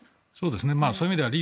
そういう意味ではリ